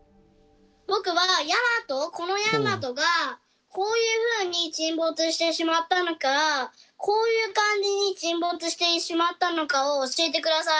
僕は大和この大和がこういうふうに沈没してしまったのかこういう感じに沈没してしまったのかを教えて下さい。